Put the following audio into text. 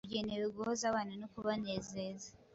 tugenewe guhoza abana no kubanezeza.